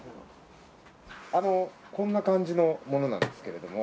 あのこんな感じのものなんですけれども。